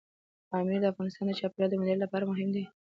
پامیر د افغانستان د چاپیریال د مدیریت لپاره مهم دی.